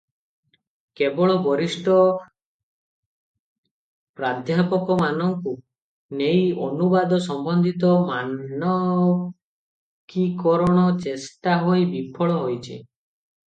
କେବଳ ବରିଷ୍ଠ ପ୍ରାଧ୍ଯାପକମାନଙ୍କୁ ନେଇ ଅନୁବାଦ ସମ୍ବନ୍ଧିତ ମାନକୀକରଣ ଚେଷ୍ଟା ହୋଇ ବିଫଳ ହୋଇଛି ।